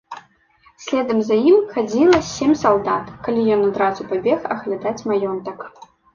Следам за ім хадзіла сем салдат, калі ён адразу пабег аглядаць маёнтак.